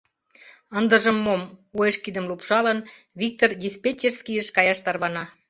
Ындыжым мом... — уэш кидым лупшалын, Виктыр диспетчерскийыш каяш тарвана.